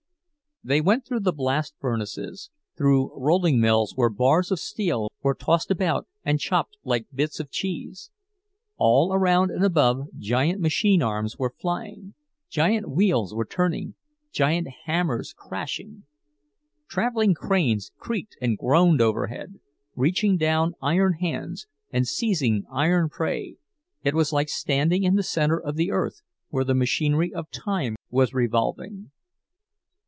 They went through the blast furnaces, through rolling mills where bars of steel were tossed about and chopped like bits of cheese. All around and above giant machine arms were flying, giant wheels were turning, great hammers crashing; traveling cranes creaked and groaned overhead, reaching down iron hands and seizing iron prey—it was like standing in the center of the earth, where the machinery of time was revolving.